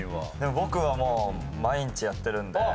僕はもう毎日やってるんで。